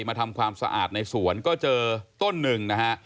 มาทำความสะอาดในสวนก็เจอต้นหนึ่งนะฮะ